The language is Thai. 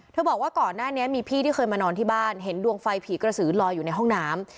บอกว่าก่อนหน้านี้มีพี่ที่เคยมานอนที่บ้านเห็นดวงไฟผีกระสือลอยอยู่ในห้องน้ำ